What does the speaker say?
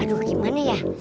aduh gimana ya